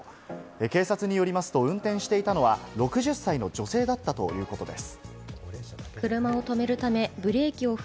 警察によりますと運転していたのは６０歳の女性だったということです。